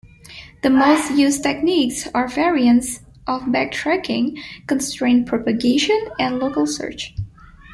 The most used techniques are variants of backtracking, constraint propagation, and local search.